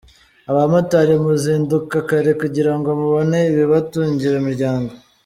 Abamotari muzinduka kare kugira ngo mubone ibibatungira imiryango.